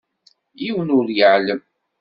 Yiwen ur iεellem.